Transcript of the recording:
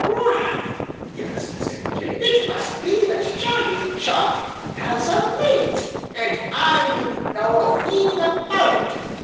"Why," gasped Sammy Jay, "it must be that Johnny Chuck has a mate, and I didn't know a thing about it!